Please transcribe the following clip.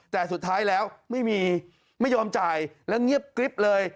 แต่สุดท้ายแล้วไม่มีไม่ยอมจ่ายแล้วเงียบกริ๊บเลย